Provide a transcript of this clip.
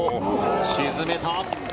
沈めた。